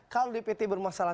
kalau dpt bermasalah